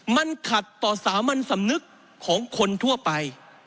มันขัดต่อสามัญสำนึกของคนทั่วไป